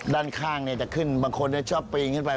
ด้านข้างเนี่ยจะขึ้นบางคนเนี่ยชอบเปลี่ยงขึ้นไป